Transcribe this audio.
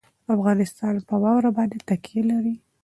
افغانستان په واوره باندې تکیه لري.